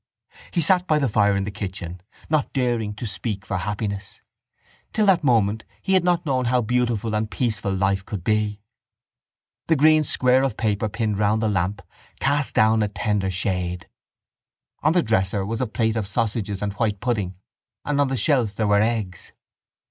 He sat by the fire in the kitchen, not daring to speak for happiness. Till that moment he had not known how beautiful and peaceful life could be. The green square of paper pinned round the lamp cast down a tender shade. On the dresser was a plate of sausages and white pudding and on the shelf there were eggs.